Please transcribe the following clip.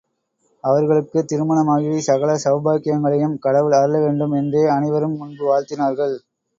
அவர்களுக்குத் திருமணமாகி, சகல சௌபாக்கியங்களையும் கடவுள் அருள வேண்டும்! என்றே அனைவரும் முன்பு வாழ்த்தினார்கள்.